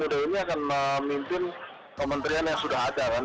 yang usia muda ini akan memimpin kementerian yang sudah ada kan